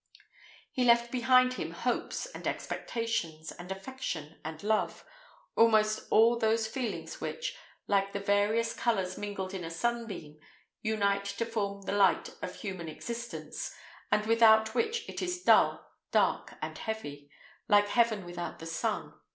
He left behind him hopes, and expectations, and affection, and love; almost all those feelings which, like the various colours mingled in a sunbeam, unite to form the light of human existence, and without which it is dull, dark, and heavy, like heaven without the sun.